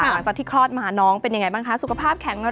หลังจากที่คลอดมาน้องเป็นยังไงบ้างคะสุขภาพแข็ง